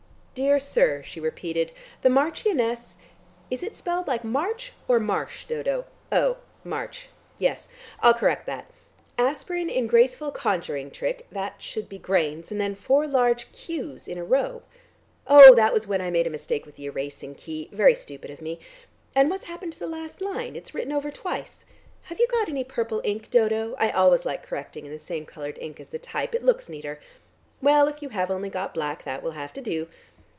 "Dear Sir," she repeated, "'The Marchioness ' is it spelled like March or Marsh, Dodo? Oh, March; yes. I'll correct that. 'Aspirin in graceful conjuring trick,' that should be grains, and then four large Qs in a row. Oh, that was when I made a mistake with the erasing key. Very stupid of me. And what's happened to the last line? It's written over twice. Have you got any purple ink, Dodo? I always like correcting in the same coloured ink as the type; it looks neater. Well, if you have only got black that will have to do."